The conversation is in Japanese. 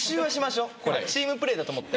チームプレーだと思って。